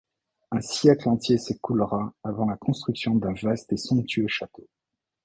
Un siècle entier s'écoulera avant la construction d'un vaste et somptueux château.